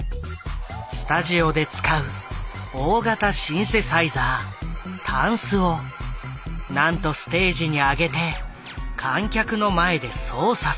スタジオで使う大型シンセサイザー「タンス」をなんとステージに上げて観客の前で操作する。